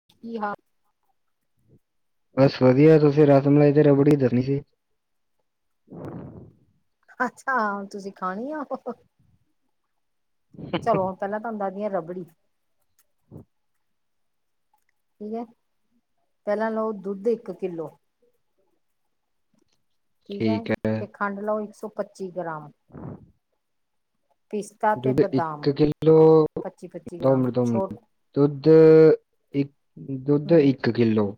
[unintelligible] ਬਸ ਵਧੀਆ। ਤੁਸੀਂ ਰਾਸਮਲਾਈ ਤੇ ਰਬੜੀ ਦੱਸਨੀ ਸੀ। ਹ [unintelligible] [inaudible] ਅੱਛਾ, ਤੁਸੀਂ ਖਾਣੀ ਏ ੳ ਚਲੋ, ਹੁਨ ਪਹਿਲਾਂ ਤੂਹਾਨੂੰ ਦ੍ਹਦੀ ਆ ਰਬੜੀ ਠੀਕ ਹੈ, ਪਹਿਲਾਂ ਲਓ ਦੁੱਧ ਇੱਕ ਕਿੱਲੋ ਠੀਕ ਹੈ ਤੇ ਖੰਡ ਲੋ ਏਕ ਸੌ ਪੱਚੀ ਗ੍ਰਾਮ ਪਿਸਤਾ ਤੇ ਦੁੱਧ ਬਦਾਮ ਇੱਕ ਕਿਲੋ ਪੱਚੀ ਪੱਚੀ ਦੋ ਗ੍ਰਾਮ ਮਿੰਟ ਦੋ ਮਿੰਟ, ਛੋਟ ਦੁੱਧ ਇੱਕ ਦੁੱਧ ਹਮ ਇੱਕ ਕਿੱਲੋ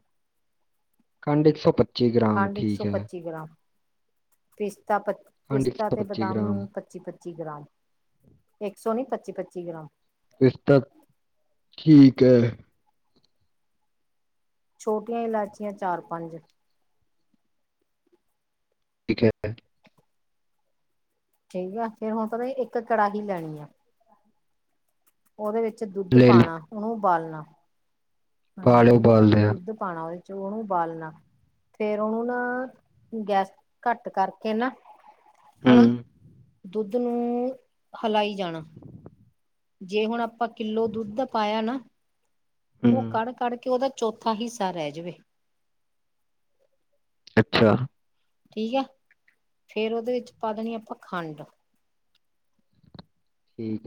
ਖਂਡ ਇਕਸੌ ਪ ਖੰਡ ਇੱਕ ਸੌ ਪੱਚੀ ਗ੍ਰਾਮ ਪਿਸਤਾ ਪ ਖੰਡ ਪਿਸਤਾ ਅਤੇ ਬਦਾਮ ਗ੍ਰਾਮ ਪੱਚੀ ਪਚੀ ਪੱਚੀ ਗ੍ਰਾਮ, ਇੱਕ ਸੌ ਨੀ ਪੱਚੀ-ਪੱਚੀ ਗ੍ਰਾਮ ਪਿਸਤਾ ਠੀਕ ਹੈ ਛੋਟੀਆਂ ਇਲਾਚੀਆਂ ਚਾਰ ਪੰਜ ਠੀਕ ਹੈ [unintelligible] ਠੀਕ ਆ ਫੇਰ ਹੁਣ ਪਤਾ ਇੱਕ ਕੜਾਹੀ ਲੈਣੀ ਆ ਉਹਦੇ ਵਿੱਚ ਦੁੱਧ ਲੈ ਲਈ ਪਾਣਾ, ਉਹਨੂੰ ਉਬਾਲਣਾ ਪਾ ਹ ਲਿਓ ਠੀਕ ਆ, ਉਬਾਲ ਲਿਆ ਦੁੱਧ ਪਾਣਾ ਉਹਦੇ ਚ ਉਹਨੂੰ ਉਬਾਲਣਾ ਫੇਰ ਉਹਨੂੰ ਨਾ ਗੈਸ ਘੱਟ ਕਰਕੇ ਨਾ ਹੂੰ ਹੈਨਾ, ਦੁੱਧ ਨੂੰ ਹਿਲਾਈ ਜਾਣਾ ਜੇ ਹੁਣ ਆਪਾਂ ਕਿੱਲੋ ਦੁੱਧ ਦਾ ਪਾਇਆ ਨਾ ਉਹ ਹੂੰ ਕੜ-ਕੜ ਕੇ ਉਹਦਾ ਚੌਥਾ ਹਿੱਸਾ ਰਹਿ ਜਾਵੇ ਅੱਛਾ। ਠੀਕ ਆ ਫੇਰ ਉਹਦੇ ਵਿੱਚ ਪਾ ਦੇਣੀ ਆਪਾਂ ਖੰਡ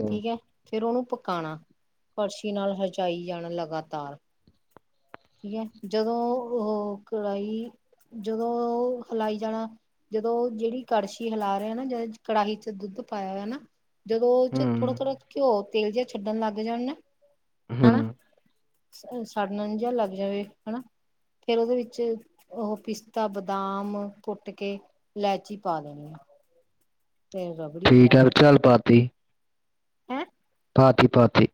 ਠੀਕ ਏ ਫੇਰ ਉਹਨੂੰ ਪਕਾਣਾ ਕੜਸ਼ੀ ਨਾਲ ਹਜਾਈ ਜਾਣਾ ਲਗਾਤਾਰ ਠੀਕ ਐ, ਜਦੋਂ ਉਹ ਕੜਾਈ, ਜਦੋਂ ਹਿਲਾਈ ਜਾਣਾ ਜਦੋਂ ਜਿਹੜੀ ਕੜਛੀ ਹਿਲਾ ਰਹੇ ਨਾ, ਜਿਹੜੀ ਕੜਾਹੀ ਚ ਦੁੱਧ ਪਾਇਆ ਹੋਇਆ ਨਾ ਜਦੋਂ ਉਹ ਚ ਹੂੰ ਥੋੜਾ-ਥੋੜ੍ਹਾ ਘਿਓ ਤੇਲ ਜਿਹਾ ਛੱਡਣ ਲੱਗ ਜਾਣ ਨਾ ਹੈਨਾ ਹੂੰ ਸਾੜਨ ਜਿਹਾ ਲੱਗ ਜਾਵੇ ਹਨਾ ਫੇਰ ਉਹਦੇ ਵਿੱਚ ਉਹ ਪਿਸਤਾ, ਬਦਾਮ ਕੁੱਟ ਕੇ ਇਲੈਚੀ ਪਾ ਦੇਣੀ ਆ। ਤੇ ਰਬੜੀ ਠੀਕ ਏ, ਤਿਆਰ ਚੱਲ ਪਾਤੀ। ਹੈਂ। ਪਾਤੀ-ਪਾਤੀ।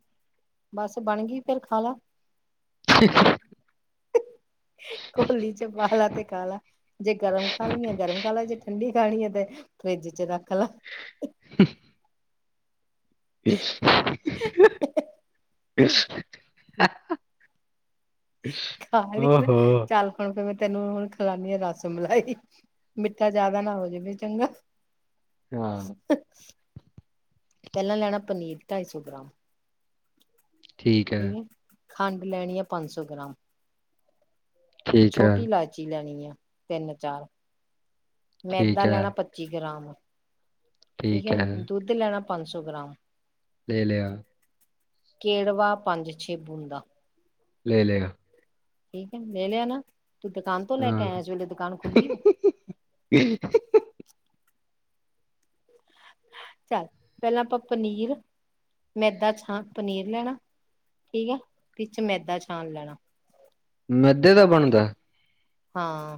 ਬਸ ਬਣ ਗਈ ਫੇਰ ਖਾ ਲਾ। [inaudible] ਕੋਲੀ ਚ ਪਾਲਾ ਤੇ ਖਾਲਾ। ਜੇ ਗਰਮ ਖਾਣੀ ਗਰਮ ਖਾ ਲਾ, ਜੇ ਠੰਡੀ ਖਾਣੀ ਏ ਤੇ ਫਰਿੱਜ ਚ ਰੱਖ ਲਾ। [inaudible] [unintelligible] ਖਾ ਲਈ ਚੱਲ ਫਿਰ ਹੁਣ ਮੈਂ ਤੈਨੂੰ ਹੁਣ ਖਲਾਨੀ ਆ ਰਸ ਮਲਾਈ। ਮਿੱਠਾ ਜਿਆਦਾ ਨਾ ਹੋ ਜਾਵੇ ਚੰਗਾ ਪਹਿਲਾਂ ਲੈਣਾ ਪਨੀਰ ਢਾਈ ਸੌ ਗ੍ਰਾਮ ਠੀਕ। ਠੀਕ ਏ, ਖੰਡ ਲੈਣੀ ਆ ਪੰਜ ਸੋ ਗ੍ਰਾਮ। ਛੋਟੀ ਇਲਾਚੀ ਲੈਣੀ ਆ ਤਿੰਨ-ਚਾਰ, ਮੈਦਾਂ ਲੈਣਾ ਪੱਚੀ ਗ੍ਰਾਮ ਠੀਕ ਐ, ਦੁੱਧ ਲੈਣਾ ਪੰਜ ਸੌ ਗ੍ਰਾਮ ਲੇ ਲਿਆ। ਕੇੜਵਾ ਪੰਜ-ਛੇ ਬੂੰਦਾ ਲੈ ਲਏਆ ਠੀਕ ਏ, ਲੈ ਲਿਆ ਨਾ, ਤੂੰ ਦੁਕਾਨ ਤੋਂ ਲੈ ਕੇ ਆਇਆ ਹਾਂ ਇਸ ਵੇਲੇ ਦੁਕਾਨ ਖੁੱਲੀ ਆ। [inaudible] ਚੱਲ ਪਹਿਲਾਂ ਆਪਾਂ ਪਨੀਰ, ਮੈਦਾ ਛਾਨ, ਪਨੀਰ ਲੈਣਾ। ਠੀਕ ਏ ਤੇ ਵਿਚ ਮੈਦਾ ਛਾਨ ਲੈਣਾ ਮੈਦੇ ਦਾ ਬਣਦਾ? ਹਾਂ।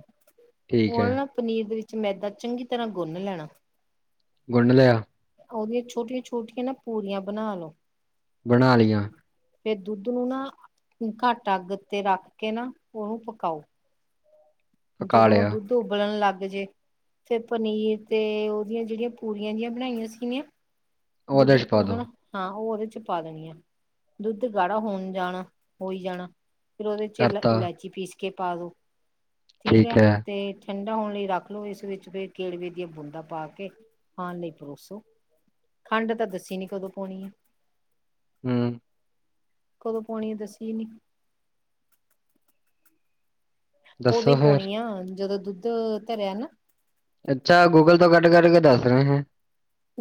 ਠੀਕ ਉਹ ਹੈ ਨਾ ਪਨੀਰ ਦੇ ਵਿੱਚ ਮੈਦਾ ਚੰਗੀ ਤਰ੍ਹਾਂ ਗੁੰਨ ਲੈਣਾ। ਗੁੱਣ ਲਿਆ। ਉਹਦੀਆਂ ਛੋਟੀਆਂ-ਛੋਟੀਆਂ ਨਾ ਪੂਰੀਆਂ ਬਣਾ ਲੋ ਬਣਾ ਲਈਆਂ। ਫਿਰ ਦੁੱਧ ਨੂੰ ਨਾ ਘੱਟ ਅੱਗ ਤੇ ਰੱਖ ਕੇ ਨਾ ਉਹਨੂੰ ਪਕਾਓ। ਪਕਾ ਜਦੋਂ ਲਿਆ ਦੁੱਧ ਉਬਲਣ ਲੱਗ ਜੇ ਫੇਰ ਪਨੀਰ ਤੇ ਉਹਦੀਆਂ ਜਿਹੜੀਆਂ ਪੂੜੀਆਂ ਜਿਆਂ ਬਣਾਈਆਂ ਸੀਗੀਆਂ ਦੁੱਧ ਉਹਦੇ ਚ ਪਾ ਦੋ ਹੈਨਾ ਹਾਂ ਉਹ ਉਹਦੇ ਚ ਪਾ ਦੇਣੀ ਆ, ‌ ਦੁੱਧ ਗਾੜਾ ਹੋਣ ਜਾਣਾ ਹੋਈ ਜਾਣਾ ਫਿਰ ਉਹਦੇ ਚ ਇਲਾ ਕਰਤਾ ਇਲਾਇਚੀ ਪੀਸ ਕੇ ਪਾ ਦਿਉ ਠੀਕ ਐ ਤੇ ਠੰਡਾ ਹੋਣ ਲਈ ਰੱਖ ਲੋਓ। ਇਸ ਵਿੱਚ ਫੇਰ ਕੇੜਵੇ ਦੀਆਂ ਬੂੰਦਾ ਪਾ ਕੇ ਖਾਣ ਲਈ ਪਰੋਸੋ। ਖੰਡ ਤਾਂ ਦੱਸੀ ਨੀ, ਕਦੋਂ ਪਾਉਣੀ ਹੈ ਹੂ ਕਦੋਂ ਪਾਉਣੀ ਐ, ਦੱਸੀ ਨੀ ਉਹ ਦੱਸੋ ਵੀ ਫਿਰ ਪਾਉਣੀ ਆ, ਜਦੋਂ ਦੁੱਧ ਧਰਿਆ ਨਾ ਅੱਛਾ ਗੂਗਲ ਤੋਂ ਕੱਡ- ਕਡ ਕਡ ਕੇ ਦੱਸ ਰਹੇ ਹੈ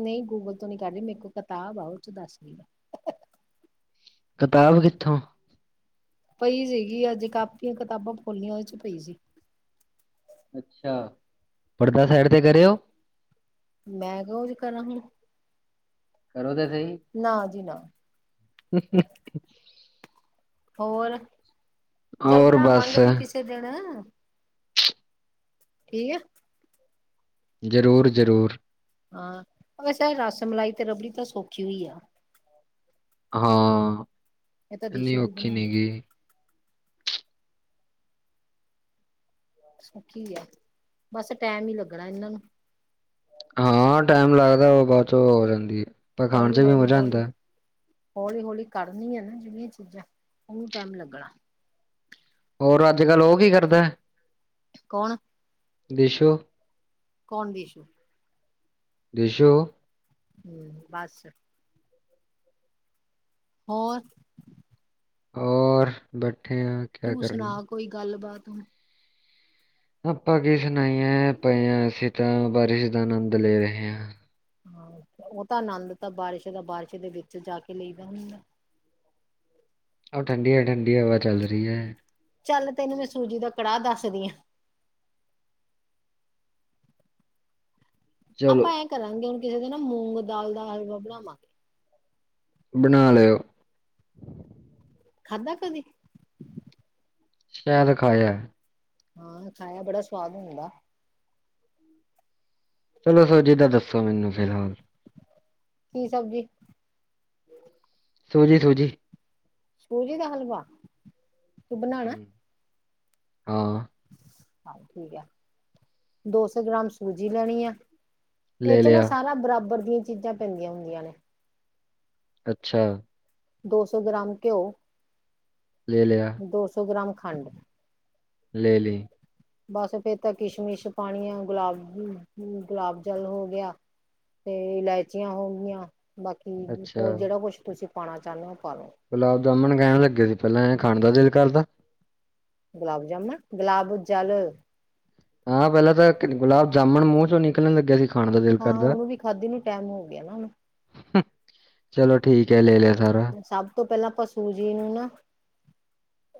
ਨਹੀਂ ਗੂਗਲ ਤੋਂ ਨੀ ਕਡ ਰਹੀ, ਮੇਰੇ ਕੋਲ ਕਿਤਾਬ ਆ ਉਹ ਚ ਦੱਸ ਰਹੀ ਆ ਕਿਤਾਬ ਕਿੱਥੋਂ ਪਈ ਸੀਗੀ, ਅੱਜ ਕਾਪੀਆਂ ਕਿਤਾਬਾਂ ਫੋਲੀਆਂ, ਉਹਦੇ ਚ ਪਈ ਸੀ ਅੱਛਾ, ਪੜਦਾ ਸਾਈਡ ਤੇ ਕਰਿਯੋ ਮੈਂ ਕਿੳ ਏਝ ਕਰਾਂ ਹੁਣ ਕਰੋ ਤੇ ਸਹੀ ਨਾ ਜੀ ਨਾ ਹੋਰ, ਚੱਲ ਹੋਰ ਬਸ ਬਣਾਵਾਂਗੇ ਵੀ ਕਿਸੇ ਦਿਨ ਠੀਕ ਹੈ ਜ਼ਰੂਰ -ਜ਼ਰੂਰ ਹਾਂ, ਵੈਸੇ ਰਸ ਮਲਾਈ ਤੇ ਰਬੜੀ ਤਾਂ ਸੌਖੀ ਅਈ ਆ ਹਾਂ, ਇਹ ਤਾਂ ਇਹਨੀ ਦਿਸ਼ੂ ਵੀ ਔਖੀ ਬਣਾ ਨੀ ਲੂ ਗੀ ਸੋਖੀ ਆ, ਬਸ ਟਾਈਮ ਹੀ ਲੱਗਣਾ ਇਹਨਾਂ ਨੂੰ ਹਾਂ, ਟਾਈਮ ਲੱਗਦਾ ਉਹ ਬਾਅਦ ਚੋਂ ਹੋ ਜਾਂਦੀ ਏ, ਪਰ ਖਾਣ ਚ ਵੀ ਮਜ਼ਾ ਆਂਦਾਏ। ਹੌਲੀ-ਹੌਲੀ ਕਰਨੀ ਆ ਨਾ ਜਿਹੜੀਆਂ ਚੀਜ਼ਾਂ, ਉਹਨੂੰ ਟਾਈਮ ਲੱਗਣਾ। ਹੋਰ, ਅੱਜ ਕੱਲ ਉਹ ਕੀ ਕਰਦਾ ਐ? ਕੌਣ? ਦੀਸ਼ੂ ਕੌਣ ਦੀਸ਼ੂ? ਦੀਸ਼ੁ। ਹੂ ਬਸ। [inaudible] ਹੋਰ? ਹੋਰ ਬੈਠੇ ਆ। ਕਿਆ ਤੂੰ ਸੁਣਾ ਕਰਨਾ ਕੋਈ ਗੱਲ ਬਾਤ ਹੁਣ? ਆਪਾਂ ਕੀ ਸੁਣਾਈਏ, ਪਏ ਆ ਅਸੀਂ ਤਾਂ, ਬਾਰਿਸ਼ ਦਾ ਆਨੰਦ ਲੈ ਰਹੇ ਹਾਂ। ਹਾਂ, ਉਹ ਤਾਂ ਆਨੰਦ ਤਾਂ ਬਾਰਿਸ਼ ਦਾ ਬਾਰਿਸ਼ ਦੇ ਵਿੱਚ ਜਾ ਕੇ ਲਈ ਦਾ ਹੁੰਦਾ। ਓ ਠੰਡੀ-ਠੰਡੀ ਹਵਾ ਚੱਲ ਰੀ ਐ। ਚੱਲ ਤੈਨੂੰ ਮੈਂ ਸੂਜੀ ਦਾ ਕੜਾਹ ਦੱਸਦੀ ਆਂ। ਆਪਾਂ ਚਲੋ ਐਂ ਕਰਾਂਗੇ, ਹੁਣ ਕਿਸੇ ਦਿਨ ਨਾ ਮੂੰਗ ਦਾਲ ਦਾ ਹਲਵਾ ਬਣਾਵਾਂਗੇ। ਬਣਾ ਲਿਓ। ਖਾਧਾ ਕਦੀ ਸ਼ਾਇਦ ਖਾਇਆ ਹਾਂ ਖਾਇਆ, ਬੜਾ ਸਵਾਦ ਹੁੰਦਾ ਚਲੋ, ਸੂਜੀ ਦਾ ਦੱਸੋ ਮੈਨੂੰ ਫਿਲਹਾਲ ਕੀ ਸਬਜ਼ੀ ਸੂਜੀ-ਸੂਜੀ। ਸੂਜੀ ਦਾ ਹਲਵਾ। ਤੂੰ ਬਣਾਉਣਾ ਹੂ ਹਾਂ। ਚਲ ਠੀਕ ਐ, ਦੋ ਸੌ ਗ੍ਰਾਮ ਸੂਜੀ ਲੈਣੀ ਆ। ਲੈ ਐਚ ਨਾ ਲਿਆ ਸਾਰਾ ਬਰਾਬਰ ਦੀਆਂ ਚੀਜ਼ਾਂ ਪੈਂਦੀਆਂ ਹੁੰਦੀਆਂ ਨੇ। ਅੱਛਾ। ਦੋ ਸੌ ਗ੍ਰਾਮ ਘਿਓ। ਲੈ ਲਿਆ। ਦੋ ਸੌ ਗ੍ਰਾਮ ਖੰਡ। ਲੈ ਲੀ। ਬਸ ਫੇਰ ਤਾਂ ਕਿਸ਼ਮਿਸ਼ ਪਾਣੀ ਆ। ਗੁਲਾਬ- ਗੁਲਾਬ ਜਲ ਹੋ ਗਿਆ। ਤੇ ਇਲਾਇਚੀਆਂ ਹੋ ਗਿਆ। ਬਾਕੀ ਅੱਛਾ ਹੋਰ ਜਿਹੜਾ ਕੁਛ ਤੁਸੀਂ ਪਾਉਣਾ ਚਾਹੁੰਦੇ ਹੋ ਪਾਲੋ। ਗੁਲਾਬ ਜਾਮੁਨ ਕਹਿਣ ਲੱਗੇ ਸੀ, ਪਹਿਲਾਂ ਐ ਖਾਣ ਦਾ ਦਿਲ ਕਰਦਾ। ਗੁਲਾਬ-ਜਾਮੁਨ, ਗੁਲਾਬ ਜਲ। ਹਾਂ ਪਹਿਲਾਂ ਤਾਂ ਕਿ ਗੁਲਾਬ ਜਾਮੁਣ ਮੂੰਹ ਚੋਂ ਨਿਕਲਣ ਲੱਗਿਆ ਸੀ। ਖਾਣ ਦਾ ਦਿਲ ਹਾਂ ਕਰਦਾ ਉਹਨੂੰ ਵੀ ਖਾਦੀ ਨੂੰ ਟੈਮ ਹੋ ਗਿਆ ਨਾ ਹੁਣ। ਹ, ਚਲੋ ਠੀਕ ਹੈ ਲੈ ਲਿਆ ਸਾਰਾ। ਸਭ ਤੋਂ ਪਹਿਲਾਂ ਆਪਾਂ ਸੂਜੀ ਨੂੰ ਨਾ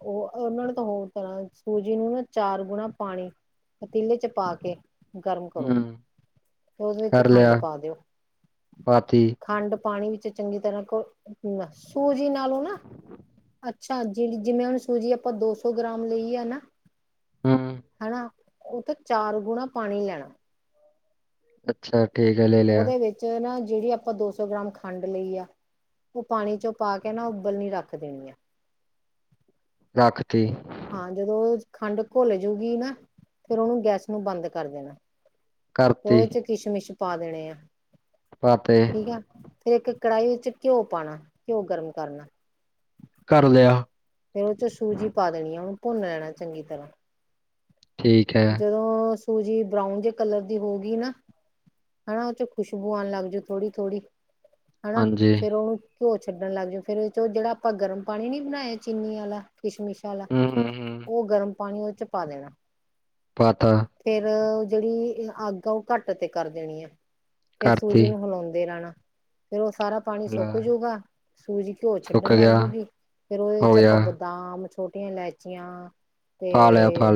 ਉਹ ਉਹਨਾਂ ਨੇ ਤਾਂ ਹੋਰ ਤਰ੍ਹਾਂ ਸੂਜੀ ਨੂੰ ਨਾ ਚਾਰ ਗੁਣਾ ਪਾਣੀ ਪਤੀਲੇ ਚ' ਪਾ ਕੇ। ਗਰਮ ਕਰੋ। ਹੂੰ ਤੇ ਉਹਦੇ ਚ' ਕਰ ਖੰਡ ਲਿਆ ਪਾ ਦਿਓ। ਪਾਤੀ ਖੰਡ ਪਾਣੀ ਵਿੱਚ ਚੰਗੀ ਤਰ੍ਹਾਂ [unintelligible] ਸੂਜੀ ਨਾਲੋਂ ਨਾ ਅੱਛਾ ਜੇੜੀ ਜਿਵੇਂ ਹੁਣ ਸੂਜੀ ਆਪਾਂ ਦੋ ਸੌ ਗ੍ਰਾਮ ਲਈਏ ਨਾ ਹਮ-ਮ। ਹੈਨਾ। ਉਹ ਤੇ ਚਾਰ ਗੁਣਾ ਪਾਣੀ ਲੈਣਾ। ਅੱਛਾ ਠੀਕ ਹੈ ਲੈ ਲਿਆ। ਚ ਨਾ ਜੇੜੀ ਆਪਾਂ ਦੋ ਸੌ ਗ੍ਰਾਮ ਖੰਡ ਲਈ ਆ। ਉਹ ਪਾਣੀ ਚੋਂ ਪਾ ਕੇ ਨਾ ਉਬਲਣੀ ਰੱਖ ਦੇਣੀ ਆ। ਅਖਤੀ। ਹਾਂ ਜਦੋ ਔ ਖੰਡ ਘੁਲ ਜੂ ਗੀ ਨਾ, ਫੇਰ ਉਹਨੂੰ ਗੈਸ ਨੂੰ ਬੰਦ ਕਰ ਦੇਣਾ। ਤੇ ਕਰਤੀ ਉਹਦੇ ਚ ਕਿਸ਼ਮਿਸ਼ ਪਾ ਦੇਣੇ ਆ, ਪਾਤੇ ਠੀਕ ਆ। ਇੱਕ ਕੜਾਹੀ ਵਿੱਚ ਘਿਓ ਪਾਣਾ, ਘਿਓ ਗਰਮ ਕਰਨਾ। ਕਰ ਲਿਆ। ਫੇਰ ਉਹ ਚ ਸੂਜੀ ਪਾ ਦੇਣੀ ਆ ਉਹਨੂੰ ਭੁੰਨ ਲੈਣਾ ਚੰਗੀ ਤਰ੍ਹਾਂ। ਠੀਕ ਹੈ। ਅ ਸੂਜੀ ਬਰਾਊਨ ਜੇ ਕਲਰ ਦੀ ਹੋਗੀ ਨਾ ਹੈਨਾ ਉਹ ਚ' ਖੁਸ਼ਬੂ ਆਉਣ ਲੱਗਜੂ ਥੋੜ੍ਹੀ - ਥੋੜ੍ਹੀ ਹੈਨਾ ਹਾਂਜੀ ਫੇਰ ਉਹਨੂੰ ਘਿਓ ਛੱਡਣ ਲੱਗ ਜਾਓ ਫਿਰ ਚੋਂ ਜਿਹੜਾ ਆਪਾਂ ਗਰਮ ਪਾਣੀ ਨੀ ਬਣਾਇਆ ਚੀਨੀ ਵਾਲਾ ਕਿਸ਼ਮਿਸ਼ ਆਲਾ ਹੂੰ ਹੂੰ ਹੂੰ ਓ ਗਰਮ ਪਾਣੀ ਓ ਚ ਪਾ ਦੇਣਾ। ਪਾਤਾ ਫੇਰ ਓ ਜੇੜੀ ਅੱਗ ਆ ਓ ਘੱਟ ਤੇ ਕਰ ਦੇਣੀ ਐ। ਫਿਰ ਸੂਜੀ ਨੂੰ ਹਲਾਉਂਦੇ ਰੈਣਾ, ਫੇਰ ਓ ਸਾਰਾ ਪਾਣੀ ਸੁੱਕ ਜੂਗਾ ਸੂਜੀ ਘਿਓ ਛੱਡਣ ਲੱਗ ਜੂਗੀ ਫੇਰ ਓਦੇ ਚ ਆਪਾਂ ਬਦਾਮ ਛੋਟੀਆਂ ਇਲਾਇਚੀਆਂ ਤੇ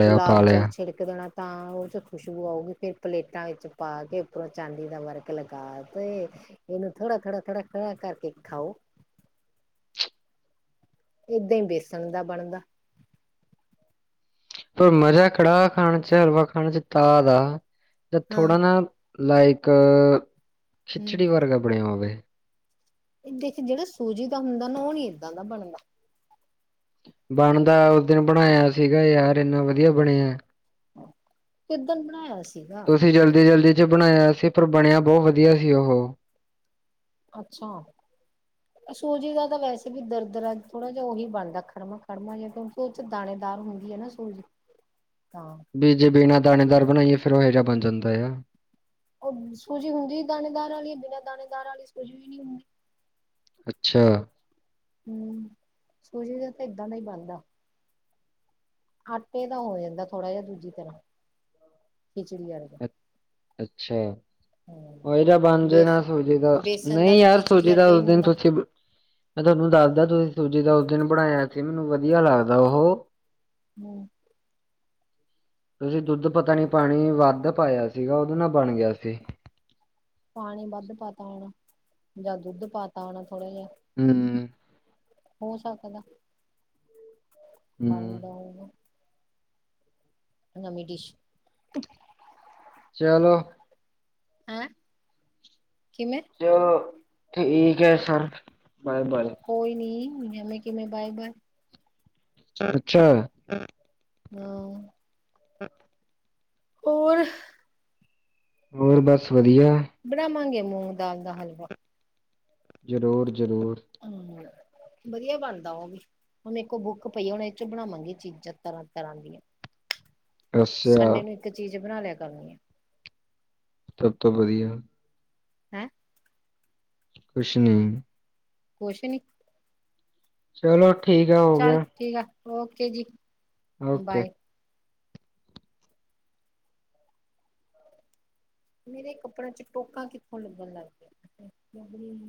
ਗੁਲਾਬ ਜਲ ਛਿੜਕ ਦੇਣਾ। ਤਾਂ ਉਹ ਚੋ ਖੁਸ਼ਬੂ ਆਊਗੀ ਫੇਰ ਪਲੇਟਾਂ ਵਿੱਚ ਪਾ ਕੇ, ਉੱਪਰੋਂ ਚਾਂਦੀ ਦਾ ਵਰਕ ਲਗਾ ਕੇ ਇਹਨੂੰ ਥੋੜਾ-ਥੋੜਾ-ਥੋੜਾ-ਥੋੜਾ ਕਰਕੇ ਖਾਓ। ਏਦਾਂ ਈ ਬੇਸਣ ਦਾ ਬਣਦਾ। ਪਰ ਮਜਾ ਕੜਾ ਖਾਣ 'ਚ, ਹਲਵਾ ਖਾਣ 'ਚ ਤਾਦ ਆ ਜ ਹਾਂ ਥੋੜਾ ਨਾ ਲਾਇਕ, ਹੂੰ। ਖਿਚੜੀ ਵਰਗਾ ਬਣਿਆ ਹੋਵੇ। ਇਦੇ ਚ ਜਿਹੜਾ ਸੂਜੀ ਦਾ ਹੁੰਦਾ ਨਾ ਉਹ ਨੀ ਇੱਦਾ ਦਾ ਬਣਦਾ। ਬਣਦਾ ਉਸ ਦਿਨ ਬਣਾਇਆ ਸੀਗਾ ਯਾਰ ਇੰਨਾ ਵਧੀਆ ਬਣਿਆਂ। ਕਿੱਦਣ ਬਣਾਇਆ [inaudible] ਸੀਗਾ। ਤੁਸੀ ਜਲਦੀ - ਜਲਦੀ 'ਚ ਬਣਾਇਆ ਸੀ ਪਰ, ਬਣਿਆ ਬਹੁਤ ਵਧੀਆ ਸੀ ਓਹੋ। ਅੱਛਾ। [inaudible] ਸੂਜੀ ਦਾ ਤਾ ਵੈਸੇ ਵੀ ਦਰਦਰਾ ਥੋੜਾ ਜਿਹਾ ਉਹੀ ਬਣਦਾ ਖੜਮਾ - ਖੜਮਾ ਜਿਹਾ, ਕਿਉਕਿ ਉਹ 'ਚ ਦਾਣੇਦਾਰ ਹੁੰਦੀ ਏ ਨਾ ਸੁ [unintelligible] ਤਾਂ ਵੀ ਜੇ ਬਿਨਾਂ ਦਾਣੇਦਾਰ ਬਣਾਈਏ ਫੇਰ ਉਹ ਇਹੋ ਜਿਹਾ ਬਣ ਜਾਂਦਾ ਆ। ਓ ਸੂਜੀ ਹੁੰਦੀ ਦਾਣੇਦਾਰ ਆਲੀ ਬਿਨਾਂ ਦਾਣੇਦਾਰ ਆਲੀ ਸੂਜੀ ਵੀ ਨੀ ਹੁੰਦੀ। ਅੱਛਾ। ਹੂੰ ਸੂਜੀ ਦਾ ਤਾਂ ਏਦਾਂ ਦਾ ਈ ਬਨਦਾ। ਆਟੇ ਦਾ ਹੋ ਯਾਂਦੈ ਥੋੜਾ ਯਿਹਾ ਦੂਜੀ ਤਰਾਂ, ਖਿਚੜੀ ਆਲੇ। ਅੱ ਅੱਛਾ ਹੋ ਹੂੰ ਜਾ ਬਣ ਬੇਸ ਜਾਏਗਾ ਸੂਜੀ ਦਾ ਬੇਸਣ ਦਾ ਨਹੀਂ ਵੀ ਯਾਰ ਖਿਚੜੀ ਸੂਜੀ ਦਾ ਵਰਗਾ ਹੀ ਉਸ ਦਿਨ ਹੁੰਦਾ। ਤੁਸੀਂ ਮੈਂ ਤੁਹਾਨੂੰ ਦੱਸਦਾ ਤੁਸੀਂ ਸੂਜੀ ਦਾ ਉਸ ਦਿਨ ਬਣਾਇਆ ਸੀ ਮੈਨੂੰ ਵਧੀਆ ਲੱਗਦਾ ਉਹ ਹੂੰ ਤੁਸੀਂ ਦੁੱਧ ਪਤਾ ਨੀ ਪਾਣੀ ਵੱਧ ਪਾਇਆ ਸੀਗਾ ਉਹਦੇ ਨਾਲ ਬਣ ਗਿਆ ਸੀ। ਪਾਣੀ ਵੱਧ ਪਾਤਾ ਹੋਣਾ ਜਾਂ ਦੁੱਧ ਪਾਤਾ ਹੋਣਾ ਥੋੜਾ ਜਿਹਾ ਹੁੰ ਹੋ ਸਕਦਾ, ਬਣ ਹੂੰ ਗਿਆ ਹੋਵੇ। ਨਵੀਂ ਡਿਸ਼ ਚਲੋ ਹੈਂ, ਕਿਵੇਂ? ਚਲੋ ਠੀਕ ਐ ਸਰ ਬਾਏ ਬਲ ਕੋਈ ਨੀ ਐਵੇਂ ਕਿਵੇਂ ਬਾਏ ਬਾਏ ਅੱਛਾ ਹਾਂ ਅੱ [inaudible] ਹੋਰ ਹੋਰ ਬਸ ਵਧੀਆ। ਬਣਾਵਾਂਗੇ ਮੂੰਗ ਦਾਲ ਦਾ ਹਲਵਾ। ਜ਼ਰੂਰ -ਜ਼ਰੂਰ। [unintelligible] ਵਧੀਆ ਬਣਦਾ ਉਹ ਵੀ ਹੁਣ ਮੈਂਕੋ ਬੁੱਕ ਪਈ ਹੁਣ ਇਹ ਚੋਂ ਬਣਾਵਾਂਗੀ ਚੀਜ਼ਾਂ ਤਰ੍ਹਾਂ-ਤਰ੍ਹਾਂ ਦੀਆਂ। [inaudible] ਸੰਡੇ ਨੂੰ ਇੱਕ ਚੀਜ਼ ਬਣਾ ਲਿਆ ਕਰਨੀ ਆ। ਸਭ ਤੋਂ ਵਧੀਆ। ਹੈਂ। ਕੁਸ਼ ਨੀ। ਕੁਛ ਨੀ, ਚਲੋ ਠੀਕ ਹੈ ਹੋ ਚੱਲ ਠੀਕ ਆ ਓੱਕੇ ਜੀ। ਓੱਕੇ। ਬਾਏ ਮੇਰੇ ਕੱਪੜੇ ਚ ਟੋਕਾਂ ਕਿੱਥੋਂ ਲੱਗਣ ਲੱਗ